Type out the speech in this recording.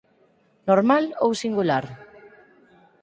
Normal ou Singular?